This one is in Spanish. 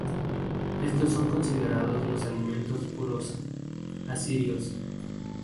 Estos son considerados los alimentos "puros" asirios.